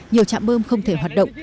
nhiều trạm bơm không thể hoạt động